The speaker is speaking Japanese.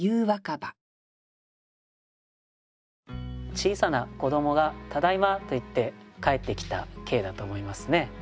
小さな子どもが「ただいま」と言って帰ってきた景だと思いますね。